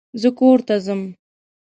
زه کورته ځم